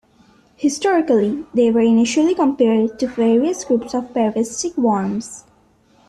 Historically, they were initially compared to various groups of parasitic worms.